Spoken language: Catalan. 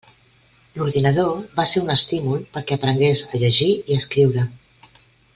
L'ordinador va ser un estímul perquè aprengués a llegir i escriure.